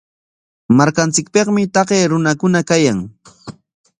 Markanchikpikmi taqay runakuna kayan.